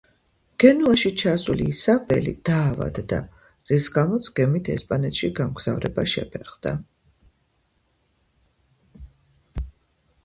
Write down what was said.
გენუაში ჩასული ისაბელი დაავადდა, რის გამოც გემით ესპანეთში გამგზავრება შეფერხდა.